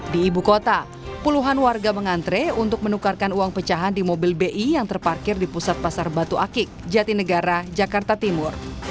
di ibu kota puluhan warga mengantre untuk menukarkan uang pecahan di mobil bi yang terparkir di pusat pasar batu akik jatinegara jakarta timur